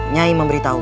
nyai memberi tauku